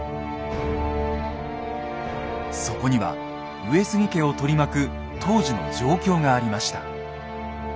そこには上杉家を取り巻く当時の状況がありました。